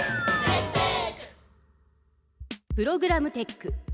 プログラムテック。